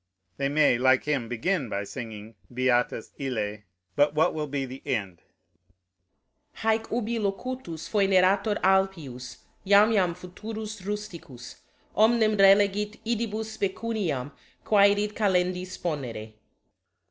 They may, like him, begin by singing, "Beatus ille" but what will be the end? Hæc ubi locutus fœnerator Alphius, Jam jam futurus rusticus, Omnem relegit Idibus pecuniam, Quærit Calendis ponere.